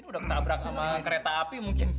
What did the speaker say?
udah ketabrak sama kereta api mungkin